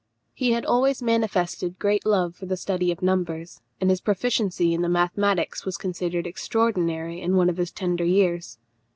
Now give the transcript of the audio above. He had always manifested great love for the study of numbers, and his proficiency in the mathematics was considered extraordinary in one of his tender years.